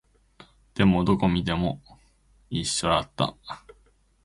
でも、どこを見ても一緒だった